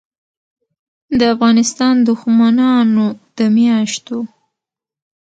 دافغانستان دښمنانودمیاشتو